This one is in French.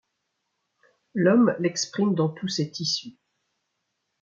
L'homme l'exprime dans tous ses tissus.